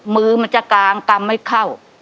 มือมันจะกางกำไม่เข้า